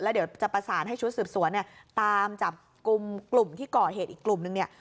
เดี๋ยวจะประสานให้ชุดสืบสวนเนี่ยตามจับกลุ่มกลุ่มที่ก่อเหตุอีกกลุ่มนึงเนี่ย